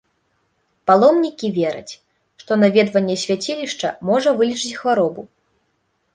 Паломнікі вераць, што наведванне свяцілішча можа вылечыць хваробу.